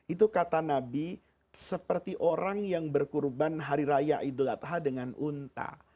itu kata nabi seperti orang yang berkurban hari raya idul adha dengan unta